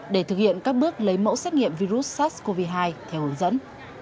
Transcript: để thực hiện các bước lấy mẫu xét nghiệm virus sars cov hai theo hướng dẫn